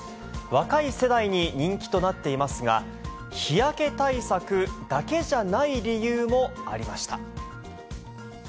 若い世代に人気となっていますが、日焼け対策だけじゃない理由もありました。